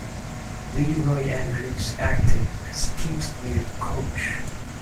LeRoy Andrews acted as the team's player-coach.